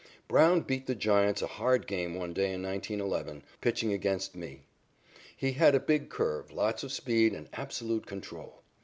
Brown beat the Giants a hard game one day in 1911, pitching against me. He had a big curve, lots of speed, and absolute control.